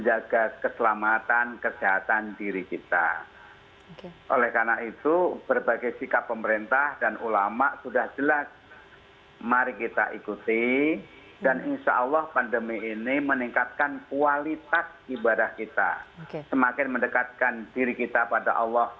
ada imbauan begitu kepada